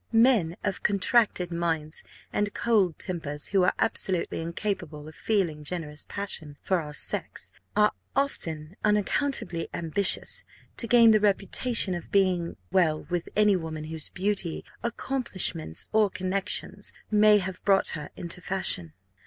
Men of contracted minds and cold tempers, who are absolutely incapable of feeling generous passion for our sex, are often unaccountably ambitious to gain the reputation of being well with any woman whose beauty, accomplishments, or connexions, may have brought her into fashion.